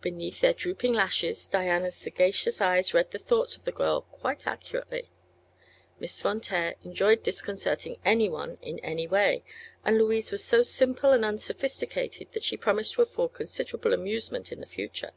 Beneath their drooping lashes Diana's sagacious eyes read the thoughts of the girl quite accurately. Miss Von Taer enjoyed disconcerting anyone in any way, and Louise was so simple and unsophisticated that she promised to afford considerable amusement in the future.